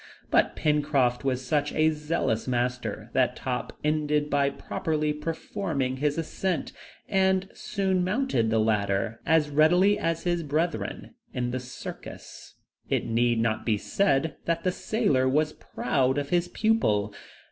But Pencroft was such a zealous master, that Top ended by properly performing his ascents, and soon mounted the ladder as readily as his brethren in the circus. It need not be said that the sailor was proud of his pupil.